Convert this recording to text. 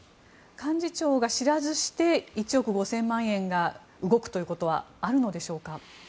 幹事長が知らずして１億５０００万円が動くということはあるのでしょうか。